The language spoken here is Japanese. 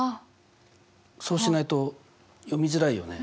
そうしないと読みづらいよね。